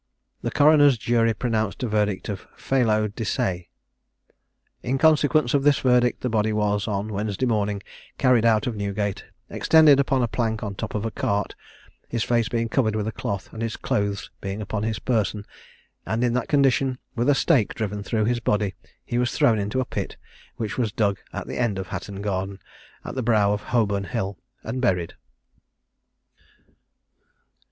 The coroner's jury pronounced a verdict of Felo de se. In consequence of this verdict, the body was, on Wednesday morning, carried out of Newgate, extended upon a plank on the top of a cart, his face being covered with a cloth, and his clothes being upon his person, and in that condition, with a stake driven through his body, he was thrown into a pit, which was dug at the end of Hatton garden, at the brow of Holborn hill, and buried.